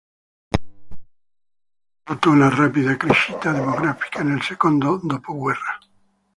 Pickering ha avuto una rapida crescita demografica nel secondo dopoguerra.